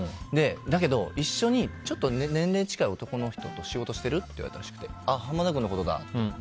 だけど、一緒にちょっと年齢近い男の人と仕事してる？って言われたらしくあ、濱田君のことだって。